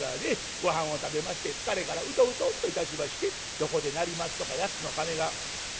ごはんを食べまして疲れからうとうとといたしましてどこで鳴りますとか八つの鐘が。